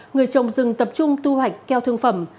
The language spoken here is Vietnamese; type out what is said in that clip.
người trồng rừng tập trung thu hoạch keo thương phẩm